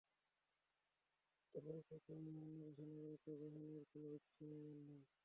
বাংলাদেশের নাগরিকত্ব পরিত্যাগ কিংবা অন্য দেশের নাগরিকত্ব গ্রহণের কোনো ইচ্ছেও আমার নেই।